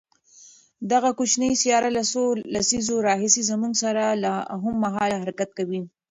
دغه کوچنۍ سیاره له څو لسیزو راهیسې زموږ سره هممهاله حرکت کوي.